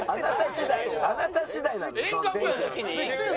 あなた次第なんです。